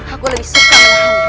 aku lebih suka menahan